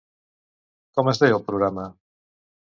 Com es deia el programa?